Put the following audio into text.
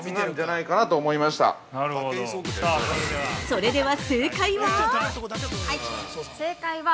◆それでは、正解は？